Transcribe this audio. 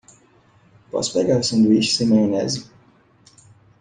Posso pegar o sanduíche sem maionese?